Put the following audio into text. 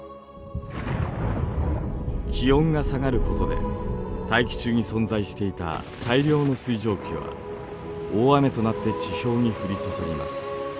気温が下がることで大気中に存在していた大量の水蒸気は大雨となって地表に降り注ぎます。